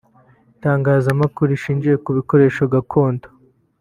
b) Itangazamakuru rishingiye ku bikoresho gakondo